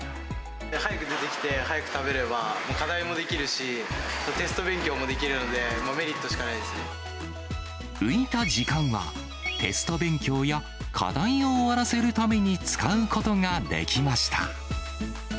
早く出てきて、早く食べれば、課題もできるし、テスト勉強もできるので、もうメリットしかない浮いた時間は、テスト勉強や課題を終わらせるために使うことができました。